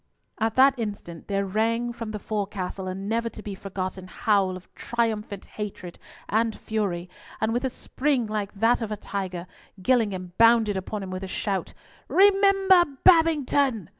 At that instant there rang from the forecastle a never to be forgotten howl of triumphant hatred and fury, and with a spring like that of a tiger, Gillingham bounded upon him with a shout, "Remember Babington!"